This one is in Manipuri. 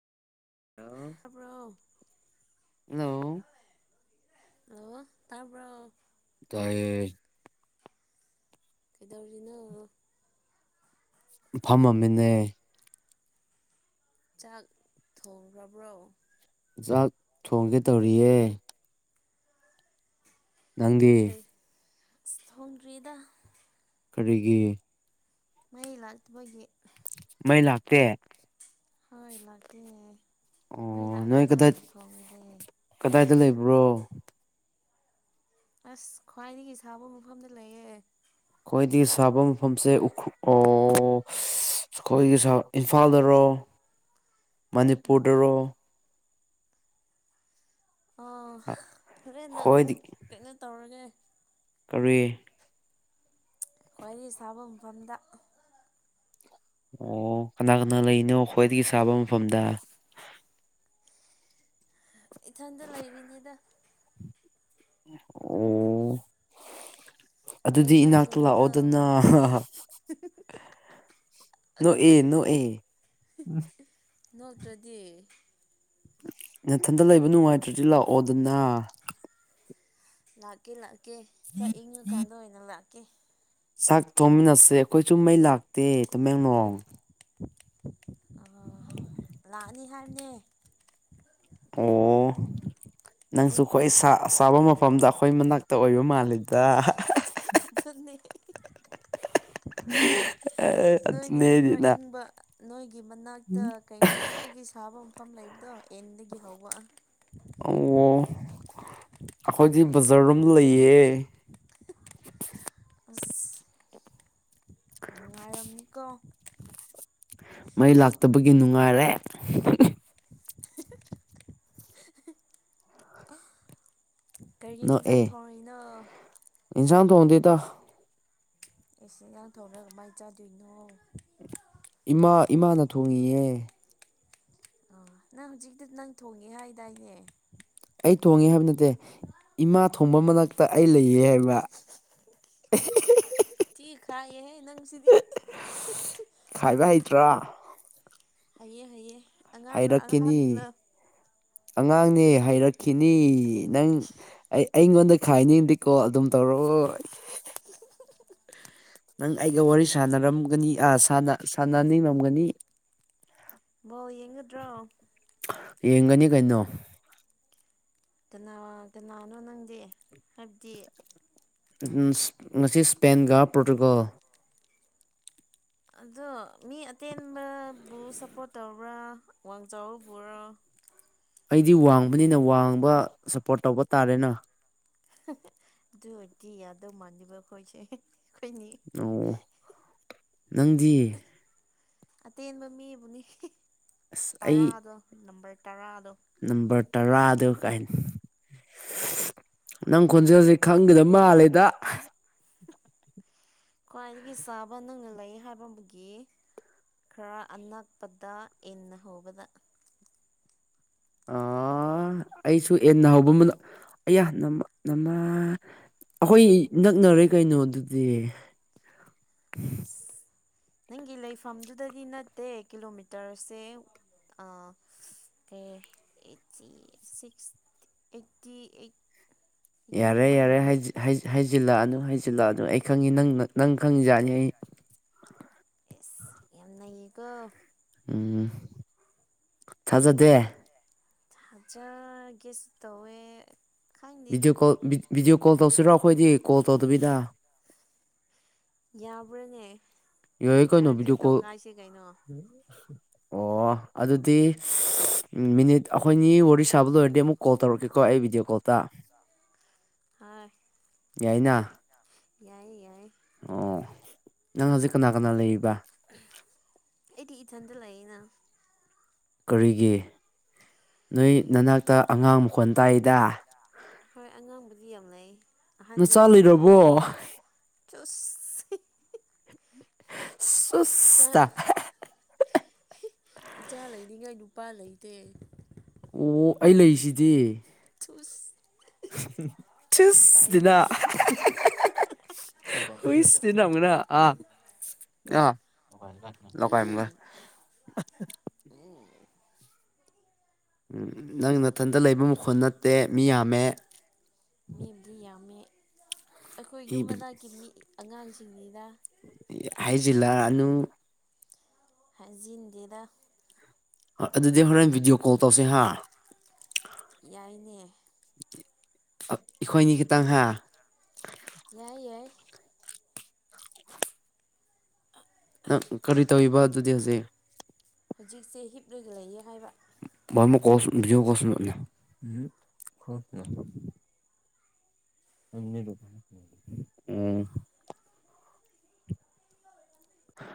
ꯍꯜꯂꯣ ꯇꯥꯕ꯭ꯔꯣ ꯍꯜꯂꯣ ꯂꫭ ꯇꯥꯕ꯭ꯔꫭ ꯇꯥꯏꯌꯦ ꯀꯩꯗꯧꯔꯤꯅꫭ ꯐꯝꯃꯝ ꯃꯤꯅꯦ ꯆꯥꯛ ꯊꯣꯡꯒ꯭ꯔꯕ꯭ꯔꯣ ꯆꯥꯛ ꯊꯣꯡꯒꯦ ꯇꯧꯔꯤꯌꯦ ꯅꯗꯤ ꯁ ꯊꫭꯡꯗꯔꯤꯗ ꯀꯔꯤꯒꯤ ꯃꯩ ꯂꯥꯛꯇꯕꯒꯤ ꯃꯩ ꯂꯥꯛꯇꯦ ꯍꯣꯏ ꯂꯥꯛꯇꯦ ꯃꯩ ꯑꯣ ꯅꯣꯏ ꯂꯥꯛꯑꯀꯥꯟꯗ ꯀꯗꯥꯏ ꯑꯣꯏꯅ ꯊꯣꯡꯉꯒꯦ ꯀꯗꯥꯏꯗ ꯂꯩꯕ꯭ꯔꯣ ꯑꯁ ꯈ꯭ꯋꯥꯏꯗꯒꯤ ꯁꯥꯕ ꯃꯐꯝꯗ ꯂꯩꯌꯦ ꯑꯩꯈꯣꯏꯗꯤ ꯁꯥꯕ ꯃꯐꯝꯁꯦ ꯎꯈ꯭ꯔꯨ ꯑꯣ ꯑꯩꯈꯣꯏꯒꯤ ꯁꯥ ꯏꯝꯐꯥꯜꯗꯔꯣ ꯃꯅꯤꯄꯨꯔꯗꯔꯣ ꯑꯥ ꯍꯣꯔꯦꯟꯅ ꯈꯣꯏꯗꯤ ꯑꯃꯨꯛ ꯀꯩꯅꯣ ꯇꯧꯔꯒꯦ ꯀꯔꯤ ꯈ꯭ꯋꯥꯏꯗꯩ ꯁꯥꯕ ꯃꯐꯝꯗ ꯑꯣ ꯀꯅꯥ ꯀꯅꯥ ꯂꯩꯅꯣ ꯈ꯭ꯋꯥꯏꯗꯒꯤ ꯁꯥꯕ ꯃꯐꯝꯗ ꯏꯊꯟꯗ ꯂꯩꯔꯤꯅꯤꯗ ꯑꫭ ꯀꯩ ꯑꯗꯨꯗꯤ ꯏꯟꯖꯥꯡ ꯏꯅꯥꯛꯇ ꯊꯣꯡꯔꯤꯅꯣ ꯂꯥꯛꯑꯣꯗꯅ ꯅꫭꯛꯑꯦ ꯅꫭꯛꯑꯦ ꯅꯣꯛꯇ꯭ꯔꯗꯤ ꯅꯊꯟꯇ ꯂꯩꯕ ꯅꯨꯡꯉꯥꯏꯇ꯭ꯔꯗꯤ ꯂꯥꯛꯑꯣꯗꯅ ꯂꯥꯛꯀꯦ ꯂꯥꯛꯀꯦ ꯈꯔ ꯏꯪꯉ ꯀꯥꯟꯗ ꯑꯣꯏꯅ ꯂꯥꯛꯀꯦ ꯆꯥꯛ ꯊꯣꯡꯃꯤꯟꯅꯁꯦ ꯑꯩꯈꯣꯏꯁꯨꯨ ꯃꯩ ꯂꯥꯛꯇꯦ ꯇꯃꯦꯡꯂꯣꯡ ꯑꯥ ꯂꯥꯛꯅꯤ ꯍꯥꯏꯕꯅꯦ ꯑꯣ ꯅꯪꯁꯨ ꯍꯧꯖꯤꯛ ꯑꯩꯈꯣꯏ ꯆꯥꯕ ꯃꯐꯝꯗ ꯑꯩꯈꯣꯏ ꯃꯅꯥꯛꯇ ꯑꯣꯏꯕ ꯃꯥꯜꯂꯤꯦꯗ ꯑꯗꯨꯅꯤ [inaudible] ꯑ ꯑꯗꯨ ꯅꯣꯏꯒꯤꯅ ꯈꯔ ꯅꯔꯤꯅ ꯏꯪꯕ ꯅꯣꯏꯒꯤ ꯃꯅꯥꯛꯇ ꯀꯩꯅꯣꯀꯣ ꯑꯩꯒꯤ ꯁꯥꯕ ꯃꯐꯝ ꯂꯩꯕꯗꯣ ꯑꯦꯟꯗꯒꯤ ꯍꯧꯧꯕꯛꯑ ꯑꯣ ꯑꯩꯈꯣꯏꯗꯤ ꯕꯖꯥꯔꯝ ꯂꯩꯌꯦ ꯑꯁ ꯅꯨꯡꯉꯥꯏꯔꯝꯅꯤꯀꯣ ꯃꯩ ꯂꯥꯛꯇꯕꯒꯤ ꯅꯨꯡꯉꯥꯏꯔꯦ ꯀꯔꯤꯒꯤ ꯍꯟꯖꯥꯡ ꯅꯣꯛꯑꯦ ꯊꯣꯡꯏꯅꯣ ꯏꯟꯁꯥꯡ ꯊ ꯍꯗ ꯇ ꯑꯩꯁꯦ ꯏꯟꯖꯥꯡ ꯊꯧꯅ ꯀꯃꯥꯏꯅ ꯆꯥꯗꯣꯏꯅꯣ ꯏꯃꯥ ꯏꯃꯥꯅ ꯊꯣꯡꯉꯌꯦꯦ ꯑ ꯅꯪ ꯍꯧꯖꯤꯛꯇꯛꯇ ꯅꯪ ꯊꯣꯡꯉꯦ ꯍꯥꯏꯗꯥꯏꯅꯦ ꯑꯩ ꯊꯣꯡꯉꯦ ꯍꯥꯏꯕ ꯅꯠꯇꯦ ꯏꯃꯥ ꯊꯣꯡꯕ ꯃꯅꯥꯛꯇ ꯑꯩ ꯂꯩꯌꯦ ꯍꯥꯏꯕ [inaudible] ꯊꯤ ꯈꯥꯏꯌꯦꯍꯦ ꯅꯪ ꯁꯤꯗꯤ ꯈꯥꯏꯕ ꯍꯩꯇ꯭ꯔꯥ ꯍꯩꯑ ꯍꯩꯌꯦ ꯑꯉꯥꯡꯅ ꯍꯩꯔꯛꯈꯤꯅꯤ ꯑꯍꯅ ꯑꯉꯥꯡꯅꯦ ꯍꯥꯏꯔꯛꯈꯤꯅꯤ ꯅꯪ ꯑꯩ ꯑꯩꯉꯣꯟꯗ ꯈꯥꯏꯅꯤꯡꯗꯤ ꯀꯣꯜ ꯑꯗꯨꯝ ꯇꯧꯔꯣꯏ ꯅꯪ ꯑꯩꯒ ꯋꯥꯔꯤ ꯁꯥꯟꯅꯔꯝꯒꯅꯤ ꯑꯥ ꯁꯥꯟꯅꯅꯤꯡꯉꯝꯒꯅꯤ ꯕ ꯌꯦꯡꯉꯗ꯭ꯔꯣ ꯌꯦꯡꯒꯅꯤ ꯀꯩꯅꯣ ꯀꯅꯥ ꯀꯅꯥꯅꯣ ꯅꯪꯗꯤ ꯍꯥꯏꯕꯗꯤ ꯉꯁꯤ ꯏꯁꯄꯦꯟꯒ ꯄꯣꯔꯇꯨꯒꯜ ꯑꯗꯣ ꯃꯤ ꯑꯇꯦꯟꯕꯕꯨ ꯁꯞꯄꯣꯔꯠ ꯇꯧꯕ꯭ꯔꯥ ꯑꯋꯥꯡ ꯆꯥꯎꯔꯕꯔꯥ ꯑꯩꯗꯤ ꯋꯥꯡꯕꯅꯤꯅ ꯋꯥꯡꯕ ꯁꯞꯄꯣꯔꯠ ꯇꯧꯕ ꯇꯥꯔꯦꯅ ꯑꯗꯨꯗꯤ ꯌꯥꯗ ꯃꯥꯟꯂꯤꯕ ꯍꯣꯏꯁꯦ ꯑꯣ ꯅꯪꯗꯤ ꯑꯇꯦꯟꯕ ꯃꯤꯕꯨꯅꯤ ꯑꯁ ꯑꯩ ꯇꯔꯥꯗ ꯅꯝꯕꯔ ꯇꯔꯥ ꯅꯝꯕꯔ ꯇꯔꯥꯗ ꯀꯥꯏꯅꯤ ꯅꯪ ꯈꯣꯟꯖꯦꯜꯁꯦ ꯈꯪꯒꯗꯕ ꯃꯥꯜꯂꯦꯗ ꯈ꯭ꯋꯥꯏꯗꯒꯤ ꯆꯥꯕ ꯅꯪꯅ ꯂꯩ ꯍꯥꯏꯕꯒꯤ ꯈꯔ ꯑꯅꯛꯄꯗ ꯏꯟꯅ ꯍꯧꯕꯗ ꯑꯥ ꯑꯩꯁꯨ ꯑꯦꯟꯅ ꯍꯧꯕ ꯑꯃꯅꯣ ꯑꯌꯥꯃ ꯅꯃꯥ ꯑꯩꯈꯣꯏ ꯅꯛꯅꯔꯦ ꯀꯩꯅꯣ ꯑꯗꯨꯗꯤ ꯅꯪꯒꯤ ꯂꯩꯐꯝꯗꯨꯗꯗꯤ ꯅꯠꯇꯦ ꯀꯤꯂꯣꯃꯤꯇꯔꯁꯦ ꯑ ꯑꯩꯀꯤ ꯑꯩ ꯌꯥꯔꯦ ꯌꯥꯔꯦ ꯍꯥꯏ ꯍꯥꯏꯩꯖꯤꯜꯂꯛꯑꯅꯨ ꯍꯥꯏꯁꯤꯜꯂꯥꯛꯑ ꯑꯗꯨ ꯑꯩ ꯈꯪꯉꯤ ꯅꯪ ꯈꯪꯉꯖꯥꯅꯤ ꯑꯩ ꯑꯦꯁ ꯌꯥꯝꯅꯌꯦꯀ ꯎꯝ ꯊꯖꯗꯦ ꯐꯥꯖꯔꯒꯦꯁ ꯇꯋꯦ ꯚꯤꯗꯤꯑꯣꯣꯜ ꯚꯤꯗꯤꯑꯣ ꯀꯣꯜ ꯇꯧꯁꯤꯔꯣ ꯑꯩꯈꯣꯏꯗꯤ ꯀꯣꯜ ꯇꯧꯗꯕꯤꯗ ꯌꯥꯕ꯭ꯔꯥꯅꯦ ꯌꯥ ꯀꯩꯅꯣ ꯌꯥꯔꯗꯤ ꯚꯗꯤꯑꯣ ꯀꯣꯜ ꯇꯧꯈꯥꯏꯁꯦ ꯀꯩꯅꯣ ꯑꯣ ꯑꯗꯨꯗꯤ ꯃꯤꯅꯤꯠ ꯑꯩꯈꯣꯏꯅꯤ ꯋꯥꯔꯤ ꯁꯥꯕ ꯂꯣꯏꯔꯗꯤ ꯑꯃꯨꯛ ꯀꯣꯜ ꯇꯧꯔꯛꯀꯦꯀꯣ ꯑꯩ ꯚꯤꯗꯤꯑꯣ ꯀꯣꯜꯗ ꯍꯣꯏ ꯌꯥꯏꯅ ꯌꯥꯏ ꯌꯥꯏ ꯑꯣ ꯅꯪ ꯍꯧꯖꯤꯛ ꯀꯅꯥ ꯀꯅꯥ ꯂꯩ ꯑꯩꯗꯤ ꯏꯊꯟꯇ ꯂꯩꯑꯅ ꯀꯔꯤꯒꯤ ꯅꯣꯏ ꯅꯅꯥꯛꯇ ꯑꯉꯥꯡ ꯃꯈꯣꯟ ꯇꯥꯏꯗ ꯍꯣꯏ ꯑꯉꯥꯡꯕꯨꯗꯤ ꯌꯥꯝ ꯂꯩ ꯑꯍꯟꯗꯤ ꯅꯆꯥ ꯂꯩꯇꯦ ꯍꯥꯏꯕꯅꯤ ꯂꯩꯔꯕꯣ ꯆ ꯁꯨꯁꯇ ꯏꯆꯥ ꯂꯩꯔꯤꯉꯩ ꯅꯨꯄꯥ ꯂꯩꯇꯦ ꯑꯣ ꯑꯩ ꯂꯩꯁꯤꯗꯤ ꯆꯁ ꯆꯁ ꯅ ꯍꯏꯁ ꯅ ꯑꯃꯅ ꯑ ꯑ ꯂꯀ ꯑꯃꯒ ꯅꯪ ꯅꯥꯊꯟꯇ ꯂꯩꯕ ꯃꯈꯨꯜ ꯅꯠꯇꯦ ꯃꯤ ꯌꯥꯝꯃꯦ ꯃꯤꯕꯨꯗꯤ ꯌꯥꯝꯃꯦ ꯑꯩꯈꯣꯏ ꯌꯨꯝ ꯃꯅꯥꯛꯀꯤ ꯃꯤ ꯑꯉꯥꯡꯁꯤꯡꯅꯤꯅ ꯍꯥꯏꯖꯩꯜꯂꯅꯨ ꯍꯥꯏꯖꯤꯟ ꯗꯦꯗ ꯑꯗꯨꯗꯤ ꯍꯣꯔꯦꯟ ꯚꯤꯗꯤꯑꯣ ꯀꯣꯜ ꯇꯧꯁꯦ ꯍꯥ ꯌꯥꯏꯅꯦ ꯑꯩꯈꯣꯏꯅꯤ ꯈꯤꯇꯪ ꯍꯥꯏ ꯌꯥꯏ ꯌꯥꯏ ꯅꯪ ꯀꯔꯤ ꯇꯧꯕ ꯑꯗꯨꯗꯤ ꯍꯧꯖꯤꯛ ꯍꯧꯖꯤꯛꯁꯦ ꯍꯤꯞꯂꯒ ꯂꯩꯌꯦ ꯍꯥꯏꯕ ꯕꯣꯏ ꯀꯣꯟꯁꯨ ꯕꯤꯗꯤꯑꯣ ꯀꯁ ꯑꯅꯤ ꯎꯝ